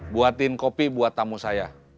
buatin kopi buat tamu saya